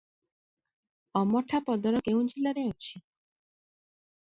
ଅମଠାପଦର କେଉଁ ଜିଲ୍ଲାରେ ଅଛି?